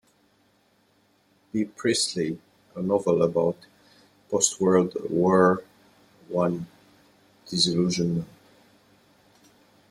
B. Priestley, a novel about post-World War One disillusionment.